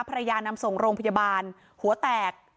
นำส่งโรงพยาบาลหัวแตก